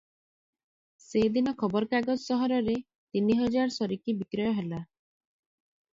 ସେଦିନ ଖବରକାଗଜ ସହରରେ ତିନିହଜାର ସରିକି ବିକ୍ରୟ ହେଲା ।